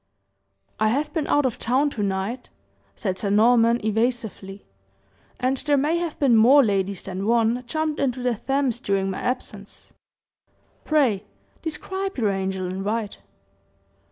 "I have been out of town to night," said Sir Norman, evasively, "and there may have been more ladies than one jumped into the Thames during my absence. Pray, describe your angel in white."